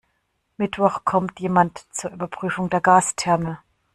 Mittwoch kommt jemand zur Überprüfung der Gastherme.